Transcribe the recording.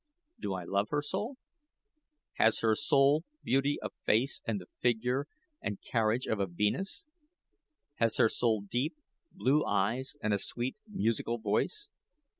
Do I love her soul? Has her soul beauty of face and the figure and carriage of a Venus? Has her soul deep, blue eyes and a sweet, musical voice?